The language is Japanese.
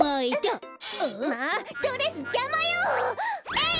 えい！